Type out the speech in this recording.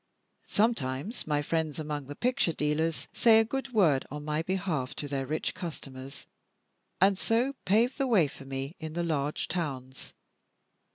Sometimes my friends among the picture dealers say a good word on my behalf to their rich customers, and so pave the way for me in the large towns.